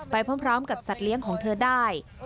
ไปพร้อมกับสัตว์เลี้ยงของเธอได้